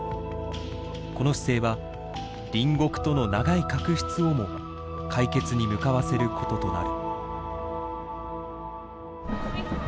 この姿勢は隣国との長い確執をも解決に向かわせることとなる。